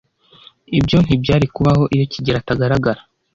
Ibyo ntibyari kubaho iyo kigeli atagaragara.